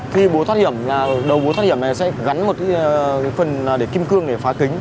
khi bố thoát hiểm đầu bố thoát hiểm này sẽ gắn một phần kim cương để phá kính